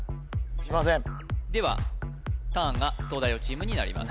しませんではターンが東大王チームになります